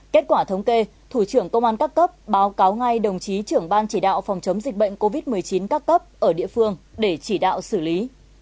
kết quả thống kê thủ trưởng công an các cấp báo cáo ngay đồng chí trưởng ban chỉ đạo phòng chống dịch bệnh covid một mươi chín các cấp ở địa phương để chỉ đạo xử lý